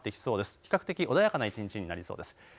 比較的穏やかな一日になりそうです。